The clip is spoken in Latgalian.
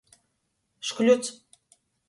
Škļuts.